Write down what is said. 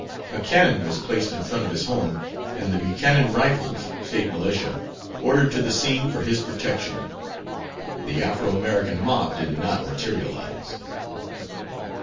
A cannon was placed in front of his home, and the Buchanan Rifles (State Militia) ordered to the scene for his protection. The Afro American mob did not materialize.